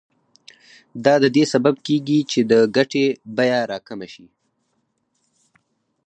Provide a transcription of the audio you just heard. دا د دې سبب کېږي چې د ګټې بیه راکمه شي